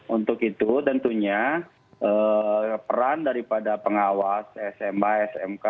untuk itu tentunya peran daripada pengawas sma smk